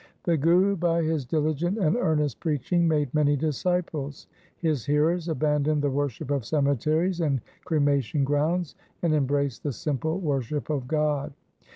The Guru by his diligent and earnest preaching made many disciples. His hearers abandoned the worship of cemeteries and cremation grounds, and embraced the simple worship of God.